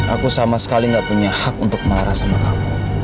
aku sama sekali gak punya hak untuk marah sama kamu